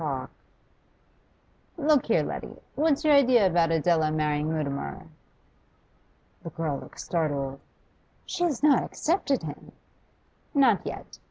'Look here, Letty; what's your idea about Adela marrying Mutimer?' The girl looked startled. 'She has not accepted him?' 'Not yet.